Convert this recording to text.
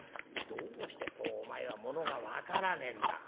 「どうしてそうお前はものが分からねえんだ。